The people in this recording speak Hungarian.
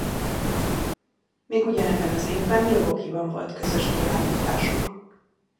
Még ugyanebben az évben Milwaukee-ban volt közös kiállításuk.